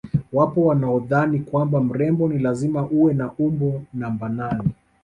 Wapo wanaodhani kwamba mrembo ni lazima uwe na umbo namba nane